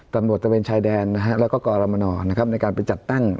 ตำรวจตระเบียงชายแดนแล้วก็กร์ลามณอได้การไปจัดตั้ง